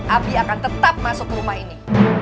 abi akan tetap masuk ke rumah ini